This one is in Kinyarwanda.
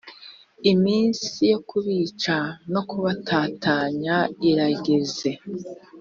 iminsi yo kubica no kubatatanya irageze.